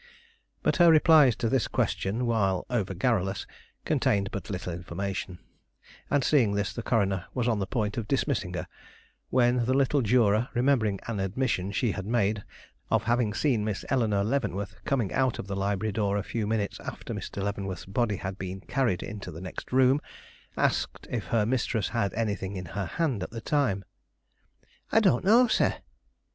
But her replies to this question, while over garrulous, contained but little information; and seeing this, the coroner was on the point of dismissing her, when the little juror, remembering an admission she had made, of having seen Miss Eleanore Leavenworth coming out of the library door a few minutes after Mr. Leavenworth's body had been carried into the next room, asked if her mistress had anything in her hand at the time. "I don't know, sir.